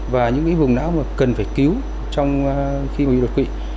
và những vùng não cần phải cứu trong khi bị đột quỵ